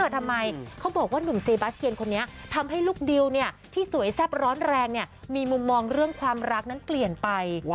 ทำไมเขาบอกว่าหนุ่มเซบาเซียนคนนี้ทำให้ลูกดิวที่สวยแซ่บร้อนแรงมีมุมมองเรื่องความรักนั้นเปลี่ยนไป